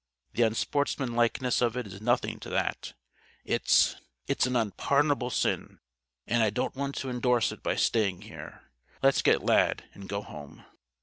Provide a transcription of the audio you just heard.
The unsportsmanlikeness of it is nothing to that. It's it's an Unpardonable Sin, and I don't want to endorse it by staying here. Let's get Lad and go home."